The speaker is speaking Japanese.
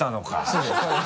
そうですね